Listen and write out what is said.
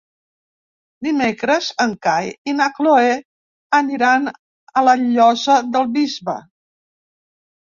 Dimecres en Cai i na Cloè aniran a la Llosa del Bisbe.